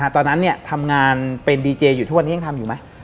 ตอนนั้นทำงานเป็นดีเจอยู่ทุกวันนี้ยังทำอยู่ไหม